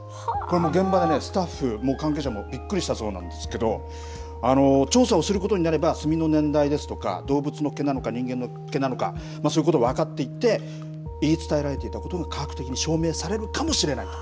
現場のスタッフも関係者もびっくりしたそうなんですけど調査をすることになれば墨の年代ですとか動物の毛なのか人間の毛なのかそういうこと分かっていって言い伝えられていたことが科学的に証明されるかもしれないと。